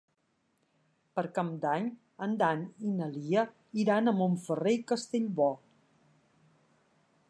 Per Cap d'Any en Dan i na Lia iran a Montferrer i Castellbò.